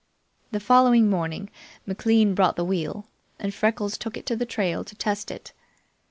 The following morning McLean brought the wheel, and Freckles took it to the trail to test it.